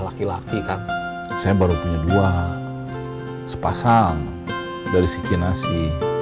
laki laki kan saya baru punya dua sepasang dari segi nasi